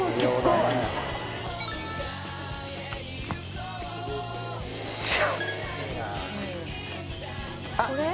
いっしゃ